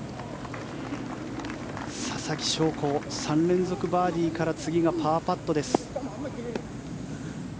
ささきしょうこ３連続バーディーから次がパーパットです。